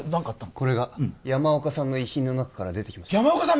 これが山岡さんの遺品の中から出てきました山岡さん